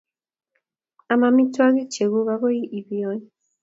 Am amitwogik chekuk agoi I piyony